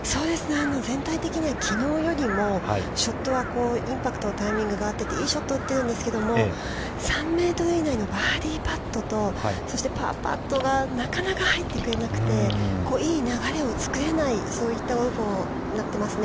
◆全体的には、きのうよりもショットはインパクトタイミングが合ってていいショットを打っているんですけど、３メートル以内のバーディーパットと、そしてパーパットがなかなか入ってくれなくていい流れを作れない、そういったゴルフになっていますね。